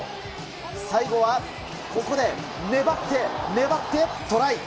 最後はここで粘って粘ってトライ。